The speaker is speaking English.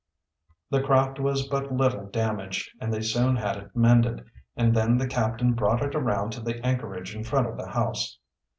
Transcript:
The craft was but little damaged and they soon had it mended, and then the captain brought it around to the anchorage in front of the house.